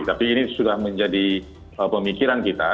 tapi ini sudah menjadi pemikiran kita